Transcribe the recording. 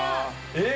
えっ！